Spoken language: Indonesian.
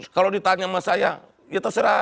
kalau ditanya sama saya ya terserah